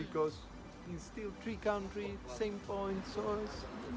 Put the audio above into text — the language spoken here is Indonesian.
karena masih ada tiga negara titik yang sama dan tanah